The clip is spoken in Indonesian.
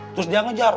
terus dia ngejar